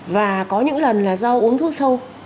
và có những lần là do uống thuốc sâu